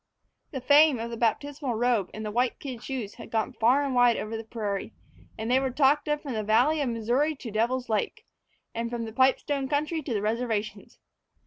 The fame of the baptismal robe and the white kid shoes had gone far and wide over the prairie, and they were talked of from the valley of the Missouri to Devil's Lake, and from the pipestone country to the reservations.